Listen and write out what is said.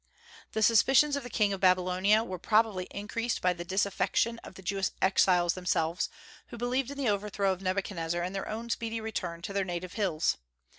The suspicions of the king of Babylonia were probably increased by the disaffection of the Jewish exiles themselves, who believed in the overthrow of Nebuchadnezzar and their own speedy return to their native hills.